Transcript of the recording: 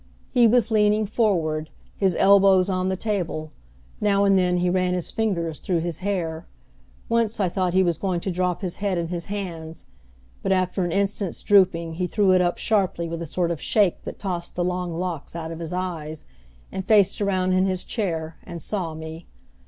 He was leaning forward, his elbows on the table; now and then he ran his fingers through his hair. Once I thought he was going to drop his head in his hands; but after an instant's drooping he threw it up sharply with a sort of shake that tossed the long locks out of his eyes, and faced around in his chair and saw me.